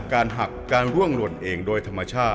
เหมือนเล็บแบบงองเหมือนเล็บตลอดเวลา